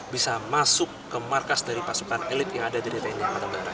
bisa masuk ke markas dari pasukan elit yang ada dari tni angkatan udara